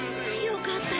助かった！